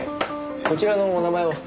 こちらのお名前は？